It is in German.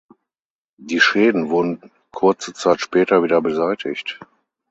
Die Schäden wurden kurze Zeit später wieder beseitigt.